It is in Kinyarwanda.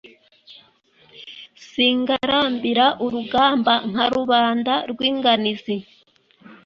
singarambira urugamba nka rubanda rw'inganizi,